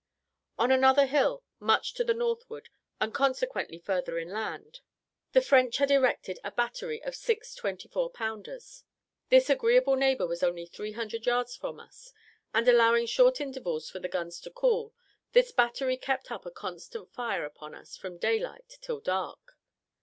On another hill, much to the northward, and consequently, further inland, the French had erected a battery of six 24 pounders. This agreeable neighbour was only three hundred yards from us; and, allowing short intervals for the guns to cool, this battery kept up a constant fire upon us from daylight till dark.